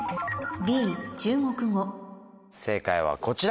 正解はこちら！